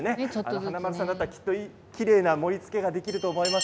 華丸さんだったらきれいな盛りつけができると思います。